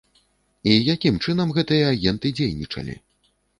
І якім чынам гэтыя агенты дзейнічалі?